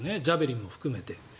ジャベリンも含めて。